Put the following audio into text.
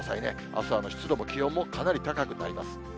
あすは湿度も気温もかなり高くなります。